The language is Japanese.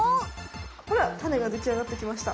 ほらタネができあがってきました。